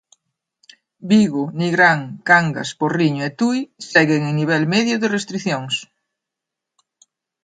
Vigo, Nigrán, Cangas, Porriño e Tui seguen en nivel medio de restricións.